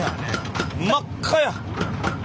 真っ赤や。